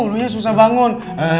lu yang susah bangun